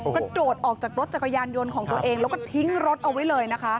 กระโดดออกจากรถจักรยานยนต์ของตัวเองแล้วก็ทิ้งรถเอาไว้เลยนะคะ